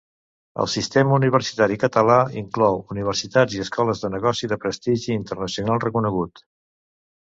El sistema universitari català inclou universitats i escoles de negoci de prestigi internacional reconegut.